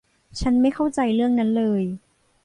ฉันไม่เข้าใจเรื่องนั้นเลย